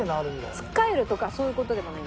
つっかえるとかそういう事でもない？